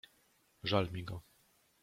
"Żal mi go!"